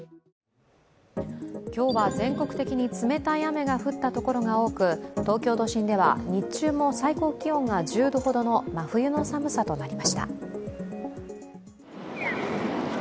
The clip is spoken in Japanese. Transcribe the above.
今日は全国的に冷たい雨が降った所が多く東京都心では日中も最高気温が１０度ほどの真冬の寒さとなりました。